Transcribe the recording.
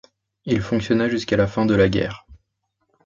Il fonctionna jusqu’à la fin de la guerre.